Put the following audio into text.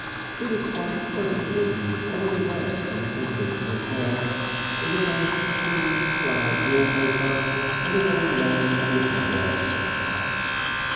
It was quite a pleasant room, one of the best in the Temperance Hotel, with a nice clean flowered wallpaper, and a very large looking glass.